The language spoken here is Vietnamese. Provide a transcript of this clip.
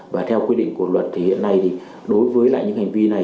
và theo quy định của luật thì hiện nay thì đối với lại những hành vi này